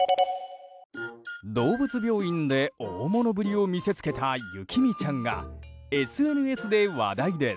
動物病院で大物ぶりを見せつけたゆきみちゃんがＳＮＳで話題です。